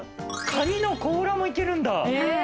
カニの甲羅も行けるんだ！